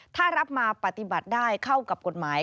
ถ้ารับมาปฏิบัติได้เข้ากับกฎหมาย